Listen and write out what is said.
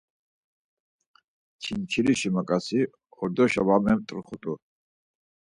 Çimçirişi maǩasi ordoşa var met̆roxurt̆u.